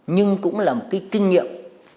nhưng cũng là một cái kinh nghiệm